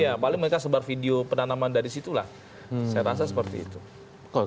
iya paling mereka sebar video penanaman dari situlah saya rasa seperti itu